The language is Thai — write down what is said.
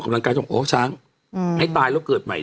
มันยากนะ